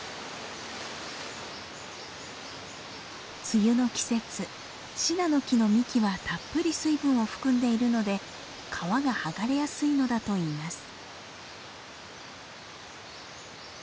梅雨の季節シナノキの幹はたっぷり水分を含んでいるので皮が剥がれやすいのだといいます。